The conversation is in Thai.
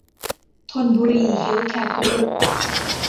ธนบุรี เฮลท์แคร์ กรุ๊ป